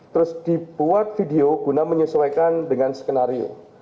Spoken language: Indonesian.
terus dibuat video guna menyesuaikan dengan skenario